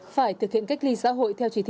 phải thực hiện cách ly xã hội theo chỉ thị